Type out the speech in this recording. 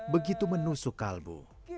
begitu menusuk kalbu